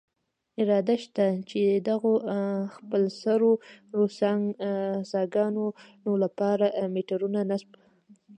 اراده شته، چې دغو خپلسرو څاګانو له پاره میټرونه نصب.